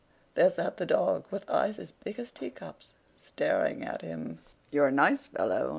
there sat the dog with eyes as big as teacups, staring at him. "You're a nice fellow!"